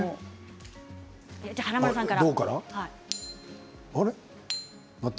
華丸さんから。